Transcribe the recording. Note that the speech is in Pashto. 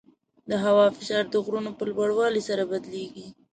د هوا فشار د غرونو په لوړوالي سره بدلېږي.